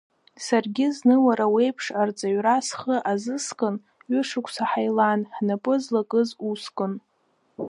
Саргьы зны уара уеиԥш арҵаҩра схы азыскын, ҩышықәса ҳаилан, ҳнапы злакыз ускын.